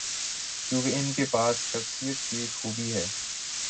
کیونکہ ان کے پاس شخصیت کی خوبی ہے۔